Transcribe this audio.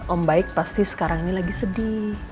om baik pasti sekarang ini lagi sedih